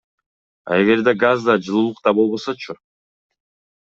А эгерде газ да, жылуулук да болбосочу?